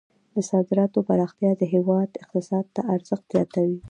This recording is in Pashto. د صادراتو پراختیا د هیواد اقتصاد ته ارزښت زیاتوي.